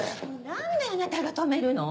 何であなたが止めるの？